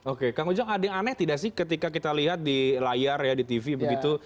oke kang ujang ada yang aneh tidak sih ketika kita lihat di layar ya di tv begitu